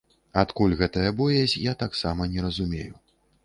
Адкуль гэтая боязь, я таксама не разумею.